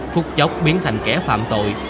phục chốc biến thành kẻ phạm tội